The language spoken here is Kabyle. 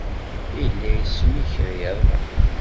Yella yesmikriḍ.